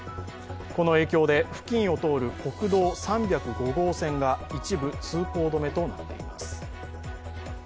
この影響で付近を通る国道３０５号線が一部通行止めとなっています。